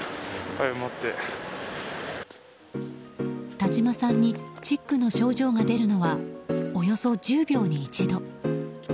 田島さんにチックの症状が出るのはおよそ１０秒に１度。